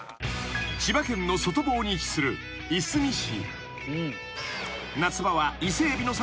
［千葉県の外房に位置するいすみ市］